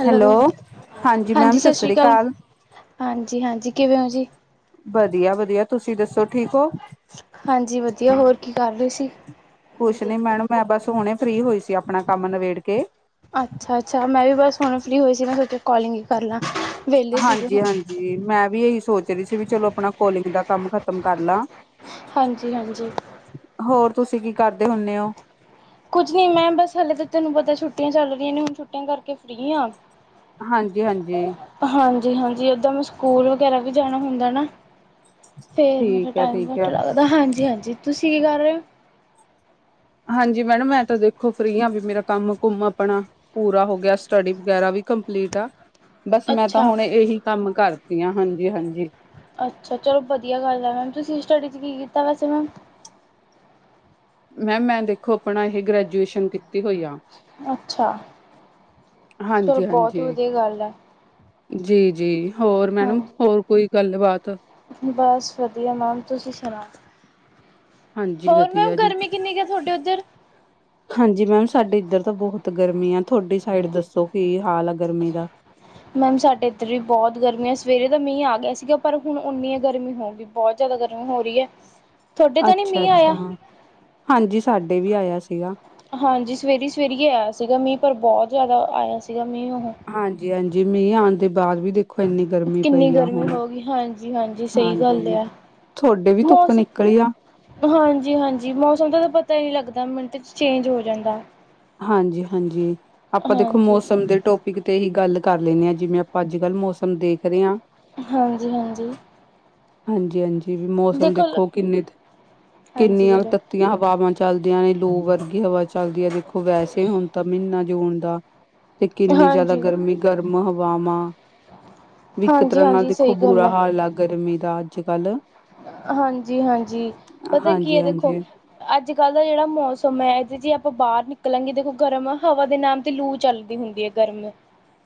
Hello, ma'am ਹਾਂਜੀ ਸਤਿ ਸ਼ਾਸ਼ਰੀ ਸ੍ਰੀ ਕਾਲ। ਅਕਾਲ। ਹਾਂਜੀ-ਹਾਂਜੀ, ਕਿਵੇਂ ਓ ਜੀ? ਵਧੀਆ ਵਧੀਆ ਤੁਸੀਂ ਦੱਸੋ ਠੀਕ ਹੋ? ਹਾਂਜੀ, ਵਧੀਆ ਹੋਰ ਕੀ ਕਰ ਰੇ ਸੀ? ਕੁਛ ਨੀ ਮੈਡਮ, ਮੈਂ ਬਸ ਹੁਣੇ ਫ੍ਰੀ ਹੋਈ ਸੀ ਆਪਣਾ ਕੰਮ ਨਿਬੇੜ ਕੇ। ਅੱਛਾ-ਅੱਛਾ, ਮੈਂ ਵੀ ਬਸ ਹੁਣੇ ਫਰੀ ਹੋਈ ਸੀ ਨਾ, ਫਿਰ ਤੇ ਕੋਲਿੰਗ ਈ ਕਰ ਲਾਂ ਵਿਹਲੇ ਸੀਗੇ ਹੁਣ ਹਾਂਜੀ-ਹਾਂਜੀ, ਮੈਂ ਵੀ ਇਹੀ ਸੋਚ ਰਹੀ ਸੀ ਵੀ ਚਲੋ, ਆਪਣਾ ਕੋਲਿੰਗ ਦਾ ਕੰਮ ਖ ਖਤਮ ਕਰਲਾ। ਹਾਂਜੀ-ਹਾਂਜੀ। ਹੋਰ ਤੁਸੀਂ ਕੀ ਕਰਦੇ ਹੁੰਨੇ ਓ? ਕੁੱਝ ਨਹੀਂ ਮੈਂਮ, ਬਸ ਹਲੇ ਤਾਂ ਤੈਨੂੰ ਪਤਾ ਛੁੱਟੀਆਂ ਚੱਲਗੀਆ ਨੇ, ਹੁਣ ਛੁੱਟੀਆਂ ਕਰਕੇ ਫਰੀ ਆ। ਹਾਂਜੀ-ਹਾਂਜੀ। ਹਾਂਜੀ-ਹਾਂਜੀ, ਓਦਾਂ ਮੈਂ ਸਕੂਲ ਵਗ਼ੈਰਾ ਵੀ ਜਾਣਾ ਹੁੰਦਾ ਨਾ। ਫੇਰ ਮੇਰਾ ਠੀਕ ਹੈ ਟਾਈਮ ਠੀਕ ਘੱਟ ਹੈ। ਲੱਗਦਾ। ਹਾਂਜੀ-ਹਾਂਜੀ ਤੁਸੀਂ ਕੀ ਕਰ ਰਹੇ? ਹਾਂਜੀ, ਮੈਡਮ ਮੈਂ ਤਾਂ ਦੇਖੋ ਫਰੀ ਆ, ਵੀ ਮੇਰਾ ਕੰਮ-ਕੁੁੰਮ ਆਪਣਾ ਪੂਰਾ ਹੋ ਗਿਆ, ਸਟੱਡੀ ਵਗ਼ੈਰਾ ਵੀ ਕੰਪਲੀਟ ਆ। ਬਸ, ਮੈਂ ਤਾਂ ਅੱਛਾ ਹੁਣ ਇਹੀ ਕੰਮ ਕਰਤੀ ਆ। ਹਾਂਜੀ-ਹਾਂਜੀ। ਅੱਛਾ ਚਲੋ, ਵਧੀਆ ਗੱਲ ਐ ਮੈਮ। ਤੁਸੀਂ ਸਟੱਡੀ 'ਚ ਕੀ ਕੀਤਾ ਵੈਸੇ ਮੈਮ? ਮੈਮ ਮੈਂ ਦੇਖੋ ਆਪਣਾ ਇਹ, ਗ੍ਰੈਜੂਏਸ਼ਨ ਕੀਤੀ ਹੋਈ ਆ। ਅੱਛਾ, ਫਿਰ ਬਹੁਤ ਹਾਂਜੀ-ਹਾਂਜੀ, ਵਧੀਆ ਗੱਲ ਐ। ਜੀ-ਜੀ ਹੋਰ ਹਾਂ ਮੈਡਮ, ਹੋਰ ਕੋਈ ਗੱਲਬਾਤ? ਬਸ, ਵਧੀਆ ਮੈਮ ਤੁਸੀਂ ਸੁਣਾਓ? ਹਾਂਜੀ ਹੋਰ ਵਧੀਆ ਮੈਮ ਜੀ। ਗਰਮੀ ਕਿੰਨੀ ਕਾ ਆ, ਤੁਹਾਡੇ ਉੱਧਰ? [inaudible] ਹਾਂਜੀ ਮੈਮ, ਸਾਡੇ ਇੱਧਰ ਤਾਂ ਬਹੁਤ ਗਰਮੀ ਆ, ਤੁਹਾਡੀ ਸਾਈਡ ਦੱਸੋ ਕੀ ਹਾਲ ਆ ਗਰਮੀ ਦਾ। ਮੈਮ, ਸਾਡੇ ਇੱਧਰ ਵੀ ਬਹੁਤ ਗਰਮੀ ਆ, ਸਵੇਰੇ ਦਾ ਮੀਂਹ ਆ ਗਿਆ ਸੀਗਾ, ਪਰ ਹੁਣ ਉਨੀਓ ਗਰਮੀ ਹੋਗੀ। ਬਹੁਤ ਜ਼ਾਦਾ ਗਰਮੀ ਹੋ ਰਹੀ ਐ। ਤੁਹਾਡੇ ਤਾਂ ਨੀ ਮੀਂਹ ਅੱਛਾ-ਅੱਛਾ। ਆਇਆ। ਹਾਂਜੀ, ਸਾਡੇ ਵੀ ਆਇਆ ਸੀਗਾ। ਹਾਂਜੀ, ਸਵੇਰੀ-ਸਵੇਰੀ ਏ ਆਇਆ ਸੀਗਾ ਮੀਂ, ਪਰ ਬਹੁਤ ਜ਼ਿਆਦਾ ਆਇਆ ਸੀਗਾ, ਮੀਂਹ ਉਹ ਹਾਂਜੀ-ਹਾਂਜੀ ਮੀਂਹ ਆਂਣ ਦੇ ਬਾਅਦ ਵੀ ਦੇਖ ਖੋ ਇੰਨੀ ਗਰਮੀ ਕਿੰਨੀ ਪਈ ਆ ਗਰਮੀ ਹੁਣ, ਹੋ ਗਈ ਹਾਂਜੀ ਹਾਂਜੀ ਸਹੀ ਗੱਲ ਹਾਂਜੀ-ਹਾਂਜੀ। ਆ ਥੋਡੇ ਵੀ ਧੁੱਪ ਨਿਕਲੀ ਆ। ਹਾਂਜੀ-ਹਾਂਜੀ, ਮੌਸਮ ਦਾ ਤਾਂ ਪਤਾ ਈ ਨੀ ਲੱਗਦਾ, ਮਿੰਟ 'ਚ ਚੇਂਜ ਹੋ ਜਾਂਦਾ। ਹਾਂਜੀ-ਹਾਂਜੀ, ਆਪਾਂ ਦੇਖੋ ਹਾਂਜੀ ਮੌਸਮ ਦੇ ਟੋਪ ਟੋਪਿਕ ਤੇ ਹੀ ਗੱਲ ਕਰ ਲ‌ਇਨੇ ਆ, ਜਿਵੇਂ ਆਪਾਂ ਅੱਜ-ਕੱਲ੍ਹ ਮੌਸਮ ਦੇਖ ਰਹੇ ਆ, ਪੀ ਹਾਂਜੀ-ਹਾਂਜੀ। ਹਾਂਜੀ-ਹਾਂਜੀ ਵੀ ਮੌਸਮ ਦੇਖੋ ਹਾਂਜੀ ਕਿੰਨੇ-ਕਿੰਨੀਆਂ ਬੋਲੋ ਤ ਤੀਆਂ ਹਵਾਵਾਂ ਚੱਲਦੀਆਂ ਨੇ, ਲੋ ਵਰਗੀ ਹਵਾ ਚੱਲਦੀ ਐ, ਦੇਖੋ ਵੈਸੇ ਹੁਣ ਤਾਂ ਮੀਨਾ ਜੂਨ ਦਾ ਤੇ ਕਿੰਨੀ ਜ਼ਿਆਦਾ ਹਾਂਜੀ ਗਰਮੀ, ਗਰਮ ਹਵਾਵਾਂ ਵੀ ਇੱਕ ਤਰ੍ਹਾਂ ਨਾਲ ਹਾਂਜੀ-ਹਾਂਜੀ ਸਹੀ ਦੇਖੋ, ਗੱਲ ਬੁਰਾ ਹੈ ਹਾਲ ਆ ਗਰਮੀ ਦਾ ਅੱਜ-ਕੱਲ੍ਹ। ਹਾਂਜੀ-ਹਾਂਜੀ ਪਤਾ ਕੀ ਹਾਂਜੀ ਐ, ਦੇਖੋ ਹਾਂਜੀ ਅੱਜ ਕੱਲ੍ਹ ਦਾ ਜਿਹੜਾ ਮੌਸਮ ਹੈ ਜੇ ਆਪਾਂ ਬਾਹਰ ਨਿਕਲਾਂਗੇ ਦੇਖੋ ਗਰਮ ਹਵਾ ਦੇ ਨਾਮ ਤੇ ਲੂ ਚੱਲਦੀ ਹੁੰਦੀ ਹੈ ਗਰਮ [inaudible]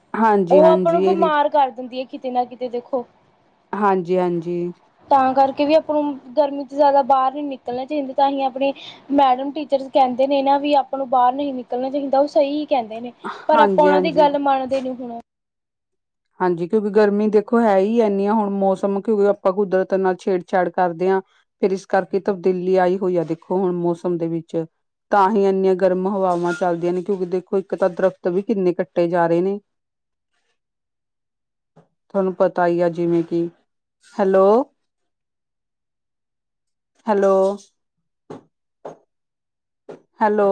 ਉਹ ਅਪਣ ਹਾਂਜੀ ਨੂੰ ਇਹੀ ਬਿਮਾਰ ਕਰ ਦਿੰਦੀ ਹੈ ਕਿਤੇ ਨਾ ਕਿਤੇ ਦੇਖੋ ਹਾਂਜੀ ਹਾਂਜੀ ਤਾਂ ਕਰਕੇ ਵੀ ਆਪਾਂ ਨੂੰ ਗਰਮੀ ਚ ਜ਼ਿਆਦਾ ਬਾਹਰ ਨਹੀਂ ਨਿਕਲਣਾ ਚਾਹੀਦਾ ਤਾਂ ਹੀ ਆਪਣੀ ਮੈਡਮ ਟੀਚਰਜ਼ ਕਹਿੰਦੇ ਨੇ ਨਾ ਵੀ ਆਪਾਂ ਨੂੰ ਬਾਹਰ ਨਹੀਂ ਨਿਕਲਣਾ ਚਾਹੀਦਾ ਉਹ ਸਹੀ ਕਹਿੰਦੇ ਨੇ ਪਰ ਆਪਾਂ ਹਾਂਜੀ ਉਹਨਾਂ ਦੀ ਹਾਂਜੀ ਗੱਲ ਮੰਨਦੇ ਨੀ ਹੁਣ ਹਾਂਜੀ ਕਿਉਂਕਿ ਗਰਮੀ ਦੇਖੋ ਹੈ ਹੀ ਇਨੀ ਆ ਹੁਣ ਮੌਸਮ ਕਿਉਂਕਿ ਆਪਾਂ ਕੁਦਰਤ ਨਾਲ ਛੇੜਛਾੜ ਕਰਦੇ ਆ ਫਿਰ ਇਸ ਕਰਕੇ ਤਬਦੀਲੀ ਆਈ ਹੋਈ ਆ ਦੇਖੋ ਹੁਣ ਮੌਸਮ ਦੇ ਵਿੱਚ ਤਾਂ ਹੀ ਇੰਨੀਆਂ ਗਰਮ ਹਵਾਵਾਂ ਚੱਲਦੀਆਂ ਨੇ ਕਿਉਂਕਿ ਦੇਖੋ ਇੱਕ ਤਾਂ ਦਰਖਤ ਵੀ ਕਿੰਨੇ ਕੱਟੇ ਜਾ ਰਹੇ ਨੇ ਤੁਹਾਨੂੰ ਪਤਾ ਹੀ ਆ ਜਿਵੇਂ ਕਿ hello hello, hello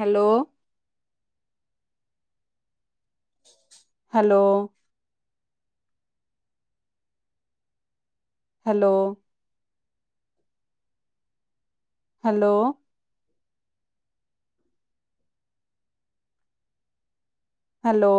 hello hello hello hello hello